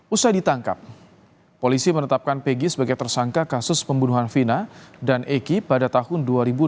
usai ditangkap polisi menetapkan pg sebagai tersangka kasus pembunuhan vina dan eki pada tahun dua ribu delapan